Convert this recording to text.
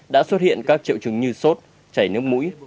đã xuất hiện các triệu chứng như sốt chảy nước mũi